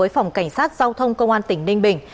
với phòng cảnh sát giao thông công an tỉnh ninh bình